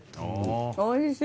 おいしい。